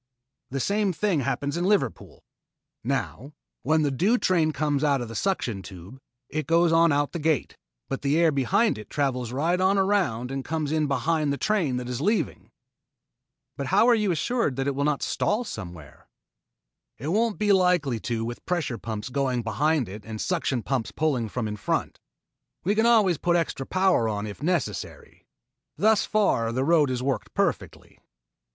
The same thing happens at Liverpool. Now, when the due train comes out of the suction tube, it goes on out the gate, but the air behind it travels right on around and comes in behind the train that is leaving." "But how are you assured that it will not stall somewhere?" "It won't be likely to with pressure pumps going behind it and suction pumps pulling from in front. We can always put extra power on if necessary. Thus far the road has worked perfectly."